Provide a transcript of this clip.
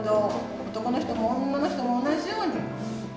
男の人も女の人も同じように。